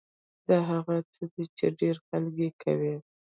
دا هغه څه دي چې ډېر خلک يې کوي.